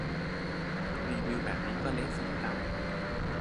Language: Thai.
รีวิวแบบนี้ก็เละสิครับ